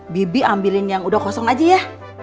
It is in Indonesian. bibi ambilin yang udah kosong aja ya